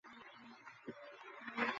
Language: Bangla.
সেখানে তোমার শক্তি স্থান-সংকোচে দুঃখ পাবে না।